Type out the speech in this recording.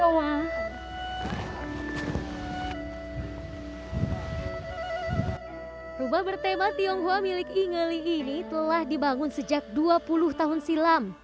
rumah bertema tionghoa milik ingeli ini telah dibangun sejak dua puluh tahun silam